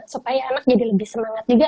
supaya anak jadi lebih semangat juga